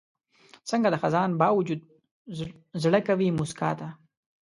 څنګه د خزان باوجود زړه کوي موسکا ته؟